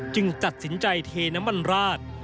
ตัดสินใจเทน้ำมันราด